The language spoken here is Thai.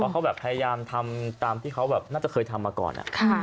เขาแบบพยายามทำตามที่เขาแบบน่าจะเคยทำมาก่อน